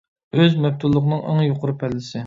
ئۆز مەپتۇنلۇقنىڭ ئەڭ يۇقىرى پەللىسى.